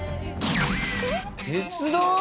鉄道？